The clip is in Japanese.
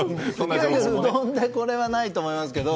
うどんでこれはないと思います。